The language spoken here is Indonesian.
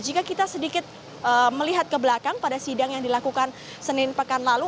jika kita sedikit melihat ke belakang pada sidang yang dilakukan senin pekan lalu